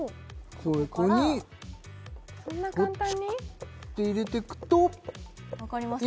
ここにそんな簡単に？って入れてくとわかりますか？